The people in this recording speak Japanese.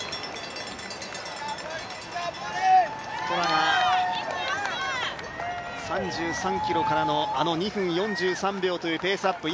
トラが３３ｋｍからの２分４３秒というペースアップ